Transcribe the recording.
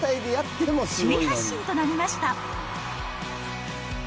首位発進となりました。